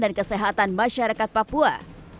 dan kesehatan masyarakat papua